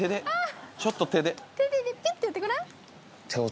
手でピッてやってごらん。